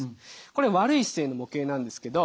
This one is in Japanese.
これ悪い姿勢の模型なんですけど。